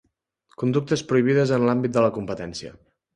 Conductes prohibides en l'àmbit de la competència.